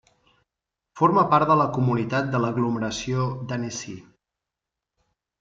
Forma part de la comunitat de l'aglomeració d'Annecy.